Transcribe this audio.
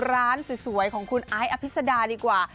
ร้านสวยของคุณไอ้อภิษดาดีกว่า